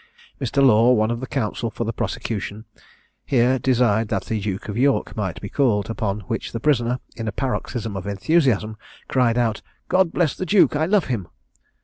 Mr. Law, one of the counsel for the prosecution, here desired that the Duke of York might be called; upon which the prisoner, in a paroxysm of enthusiasm, cried out, "God bless the duke! I love him."